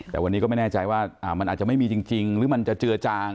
แต่วันนี้ก็ไม่แน่ใจว่ามันอาจจะไม่มีจริงหรือมันจะเจือจาง